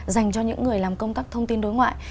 dành cho những người làm công tác thông tin đối ngoại